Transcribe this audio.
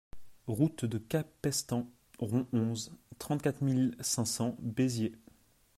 Route de Capestang Rd onze, trente-quatre mille cinq cents Béziers